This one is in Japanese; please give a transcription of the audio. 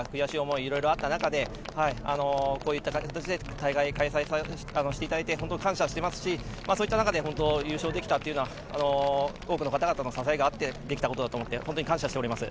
いろいろあった中でこういった形で大会を開催していただいて本当に感謝していますしそういった中で優勝できたのは多くの方々の支えがあってできたことだと思って本当に感謝しております。